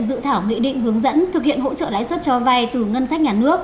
dự thảo nghị định hướng dẫn thực hiện hỗ trợ lãi suất cho vay từ ngân sách nhà nước